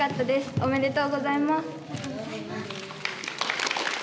おめでとうございます。